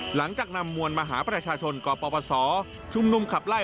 หลังจากนำมวลมหาประชาชนกปศชุมนุมขับไล่